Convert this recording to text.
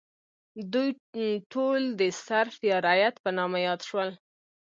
دوی ټول د سرف یا رعیت په نامه یاد شول.